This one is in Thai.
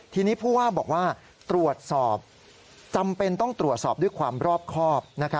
ทีนี้ผู้ว่าบอกว่าตรวจสอบจำเป็นต้องตรวจสอบด้วยความรอบครอบ